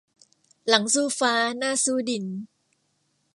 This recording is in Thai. หลังสู้ฟ้าหน้าสู้ดิน